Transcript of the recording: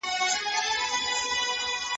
زه مخکي مينه څرګنده کړې وه،